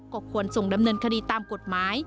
ก็ควรส่งดำเนินคดีตามกฎหมาย